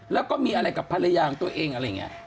แล้วก็มีอะไรกับภรรยาของตัวเองอะไรอย่างนี้